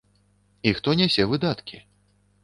І хто нясе выдаткі?